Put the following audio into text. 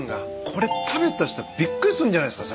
これ食べた人びっくりするんじゃないですか？